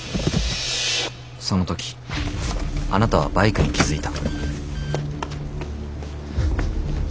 その時あなたはバイクに気付いた。